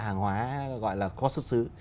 hàng hóa gọi là có xuất xứ